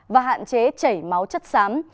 và hạn chế chảy máu chất xám